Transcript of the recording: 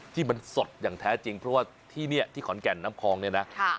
ที่มันสดอย่างแท้จริงเพราะว่าที่นี่ที่ขอนแก่นน้ำพองเนี่ยนะ